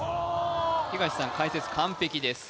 東さん解説完璧です